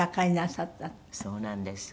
そうなんです。